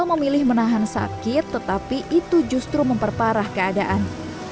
menangis menahan sakit tetapi itu justru memperparah keadaan